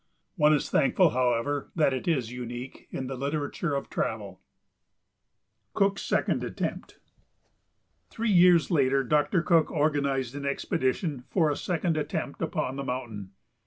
One is thankful, however, that it is unique in the literature of travel. [Sidenote: Cook's Second Attempt] Three years later Doctor Cook organized an expedition for a second attempt upon the mountain.